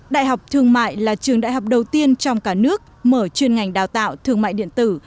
đại học thương mại là trường đại học đầu tiên trong cả nước mở chuyên ngành đào tạo thương mại điện tử